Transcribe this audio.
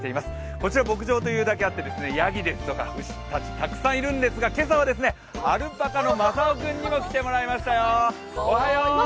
こちら牧場というだけあってやぎですとか羊とかたくさんいるんですが今朝はアルパカのマサオ君にも来てもらいましたよ。